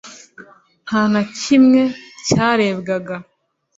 Nta na kimwe cyarebwaga.